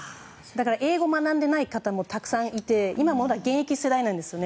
英語を学んでない方もたくさんいて今も現役世代なんですよね。